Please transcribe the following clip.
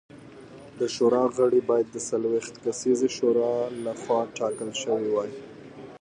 د شورا غړي باید د څلوېښت کسیزې شورا لخوا ټاکل شوي وای